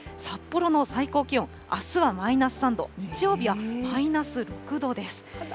札幌の最高気温、あすはマイナス３度、日曜日はマイナス６度です。